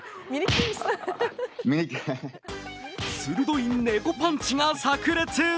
鋭い猫パンチがさく裂。